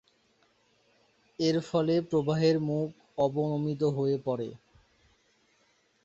এর ফলে প্রবাহের মুখটি অবনমিত হয়ে পড়ে।